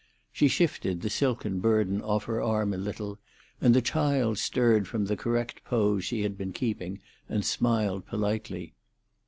She shifted the silken burden off her arm a little, and the child stirred from the correct pose she had been keeping, and smiled politely.